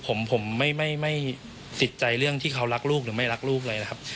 ผมไม่ติดใจเรื่องที่เขารักลูกหรือไม่รักลูกเลยนะครับ